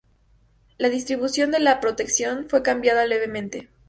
La distribución de la protección fue cambiada levemente.